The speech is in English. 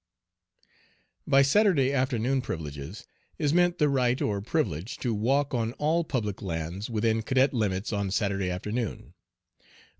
By "Saturday afternoon privileges" is meant the right or privilege to walk on all public lands within cadet limits on Saturday afternoon.